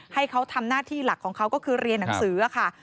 ให้เขาทำหน้าที่หลักของเขาก็คือเรียนหนังสือค่ะ